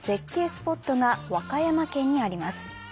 スポットが和歌山県にあります。